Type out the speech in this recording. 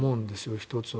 １つは。